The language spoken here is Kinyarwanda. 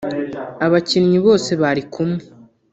Abakinnyi bose bari kumwe